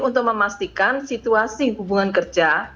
untuk memastikan situasi hubungan kerja